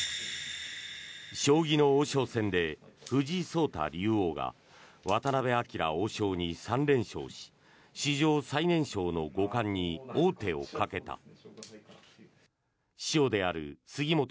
将棋の王将戦で藤井聡太竜王が渡辺明王将に３連勝し史上最年少の五冠に王手をかけた。